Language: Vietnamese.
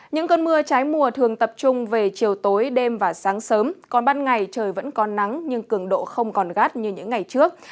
những cơn mưa trái mùa thường tập trung về chiều tối đêm và sáng sớm còn ban ngày trời vẫn có nắng nhưng cường độ không còn gắt như những ngày trước